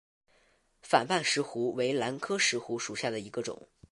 反瓣石斛为兰科石斛属下的一个种。